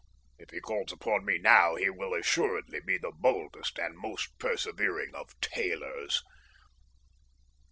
If he calls upon me now he will assuredly be the boldest and most persevering of tailors.